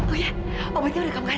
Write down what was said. oh iya obatnya udah kamu kasih